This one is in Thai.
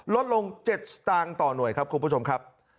ลดลง๗สตางค์ต่อหน่วยครับคุณผู้ชมครับ